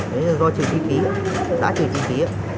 đấy là do trừ thi ký giá trừ thi ký